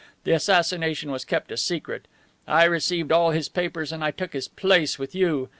The assassination was kept a secret. I received all his papers and I took his place with you.